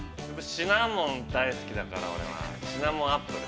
◆シナモン大好きだから、俺はシナモンアップル。